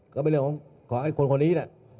ก็เป็นเรื่องของคนนี้